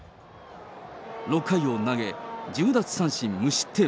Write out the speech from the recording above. ６回を投げ、１０奪三振無失点。